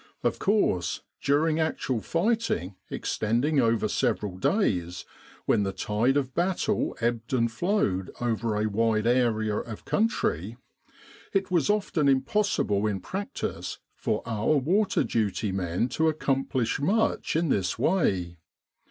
Of course, during actual fighting extending over several days, when the tide of battle ebbed and flowed over a wide area of country, it was often impossible in practice for our water duty men to accomplish much in this way.